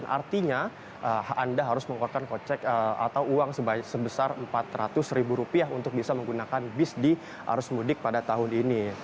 artinya anda harus mengeluarkan kocek atau uang sebesar empat ratus ribu rupiah untuk bisa menggunakan bis di arus mudik pada tahun ini